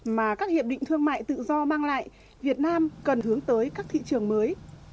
mà các hiệp định thương mại tự do mang lại việt nam cần hướng tới các thị trường mới